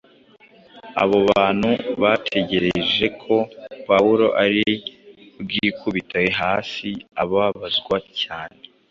abo bantu bategereje ko Pawulo ari bwikubite hasi ababazwa cyane.